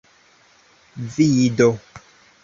vido